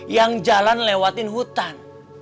yang jalan lewatin hutan